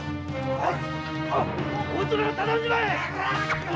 はい。